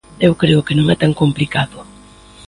Eu creo que non é tan complicado.